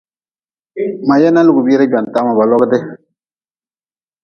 Ma yena lugʼbire gwantah ma ba logi de.